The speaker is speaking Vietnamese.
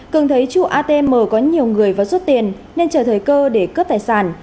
cường thấy chủ atm có nhiều người và rút tiền nên chờ thời cơ để cướp tài sản